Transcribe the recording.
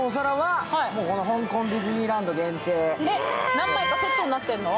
何枚かセットになってるの？